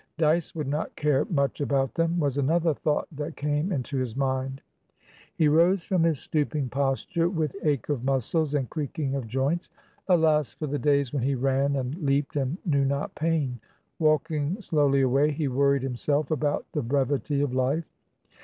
"Dyce would not care much about them," was another thought that came into his mind. He rose from his stooping posture with ache of muscles and creaking of joints. Alas for the days when he ran and leapt and knew not pain! Walking slowly away, he worried himself about the brevity of life.